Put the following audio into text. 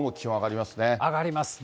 上がります。